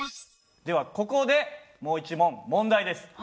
ではここでもう一問問題です。